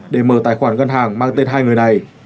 để mở tài khoản ngân hàng mang tên hai người này